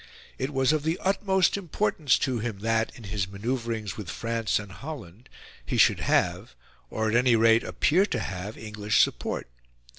It was of the utmost importance to him that, in his manoeuvrings with France and Holland, he should have, or at any rate appear to have, English support.